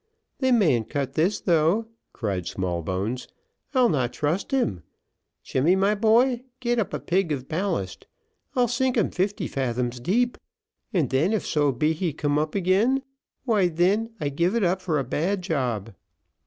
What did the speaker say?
"They mayn't cut this tho'!" cried Smallbones. "I'll not trust him Jemmy, my boy, get up a pig of ballast. I'll sink him fifty fathoms deep, and then if so be he cum up again, why then I give it up for a bad job."